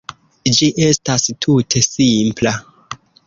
Ĝi estas tute simpla.